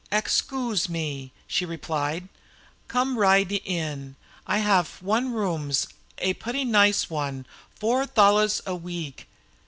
"Exkoose me," she replied, "come righdt in. I haf one rooms, a putty nice one, four thalers a weeg."